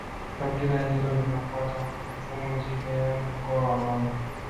Kabila hilo linafuata mfumo jike yaani ukoo wa mama